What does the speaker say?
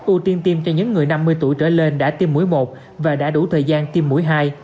ưu tiên tiêm cho những người năm mươi tuổi trở lên đã tiêm mũi một và đã đủ thời gian tiêm mũi hai